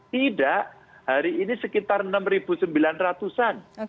tidak hari ini sekitar enam sembilan ratus an